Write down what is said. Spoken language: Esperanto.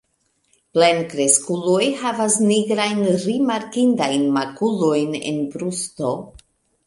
Plenkreskuloj havas nigrajn rimarkindajn makulojn en brusto.